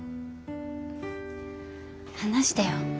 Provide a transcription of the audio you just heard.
話してよ。